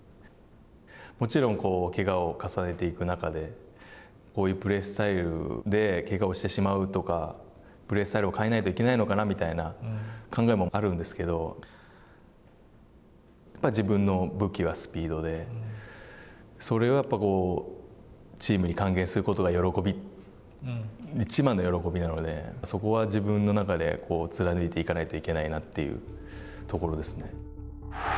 もちろん、けがを重ねていく中で、こういうプレースタイルで、けがをしてしまうとか、プレースタイルを変えないといけないのかなみたいな考えもあるんですけど、やっぱ自分の武器はスピードで、それをチームに還元することが喜び、いちばんの喜びなので、そこは自分の中で、貫いていかないといけないなというところですね。